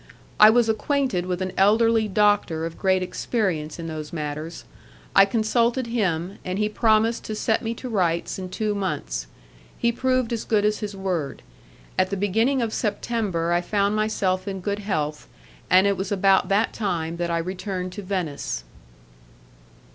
I was acquainted with an elderly doctor of great experience in those matters; I consulted him, and he promised to set me to rights in two months; he proved as good as his word. At the beginning of September I found myself in good health, and it was about that time that I returned to Venice.